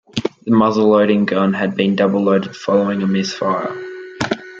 The muzzle-loading gun had been double-loaded following a misfire.